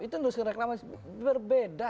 itu menurut saya reklamasinya berbeda